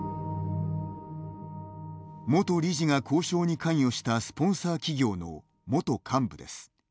元理事が交渉に関与したスポンサー企業の元幹部です。